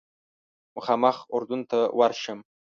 مخامخ اردن ته ورشم.